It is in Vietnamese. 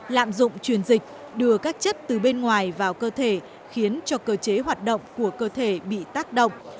lạm dụng truyền dịch đưa các chất từ bên ngoài vào cơ thể khiến cho cơ chế hoạt động của cơ thể bị tác động